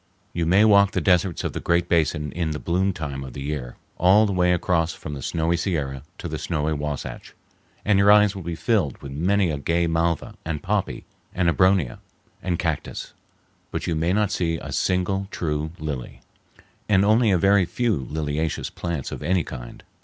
You may walk the deserts of the Great Basin in the bloom time of the year, all the way across from the snowy Sierra to the snowy Wahsatch, and your eyes will be filled with many a gay malva, and poppy, and abronia, and cactus, but you may not see a single true lily, and only a very few liliaceous plants of any kind.